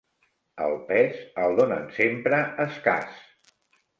El pes, el donen sempre escàs.